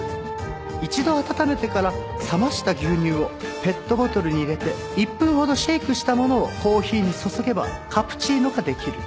一度温めてから冷ました牛乳をペットボトルに入れて１分ほどシェイクしたものをコーヒーに注げばカプチーノができる。